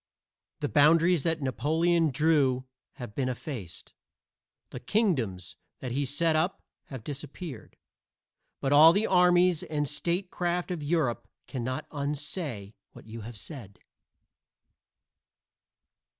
The boundaries that Napoleon drew have been effaced; the kingdoms that he set up have disappeared. But all the armies and statecraft of Europe cannot unsay what you have said.